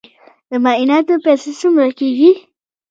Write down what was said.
د معایناتو پیسې څومره کیږي؟